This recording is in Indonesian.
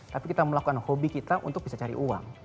tapi kita melakukan hobi kita untuk bisa cari uang